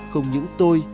không những tôi